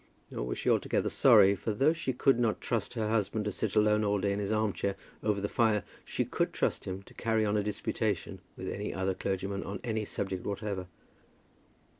Nor was she altogether sorry; for though she could not trust her husband to sit alone all day in his arm chair over the fire, she could trust him to carry on a disputation with any other clergyman on any subject whatever.